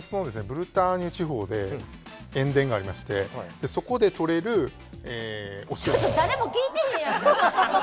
ブルターニュ地方で塩田がありましてそこでとれるお塩になります。